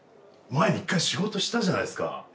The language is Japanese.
前１回仕事したじゃないですか。